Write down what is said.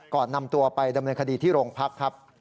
ก่อนนำตัวไปดำเนินคดีที่โรงพักครับ